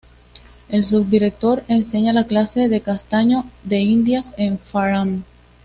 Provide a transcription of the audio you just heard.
El subdirector enseña la clase de Castaño de Indias en Farnham.